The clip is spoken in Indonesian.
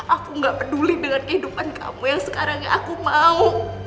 aku gak peduli dengan kehidupan kamu yang sekarang aku mau